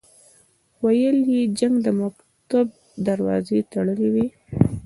ویل یې جنګ د مکتب دروازې تړلې وې.